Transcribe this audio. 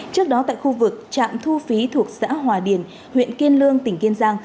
trước đó tại khu vực trạm thu phí thuộc xã hòa điền huyện kiên lương tỉnh kiên giang